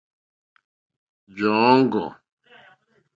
Jó òŋɡô.